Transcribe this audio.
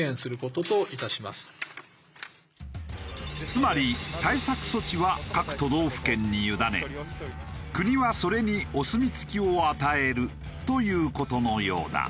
つまり対策措置は各都道府県に委ね国はそれにお墨付きを与えるという事のようだ。